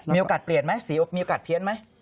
มีโอกาสเปลี่ยนไหมมีโอกาสเพี้ยนไหม